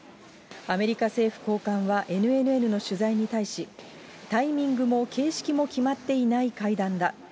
アメリカ政府高官はＮＮＮの取材に対し、タイミングも形式も決まっていない会談だ。